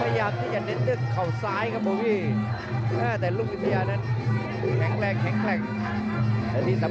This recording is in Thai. พาท่านผู้ชมกลับติดตามความมันกันต่อครับ